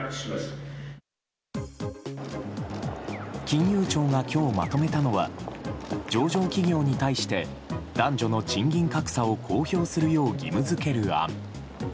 金融庁が今日まとめたのは上場企業に対して男女の賃金格差を公表するよう義務付ける案。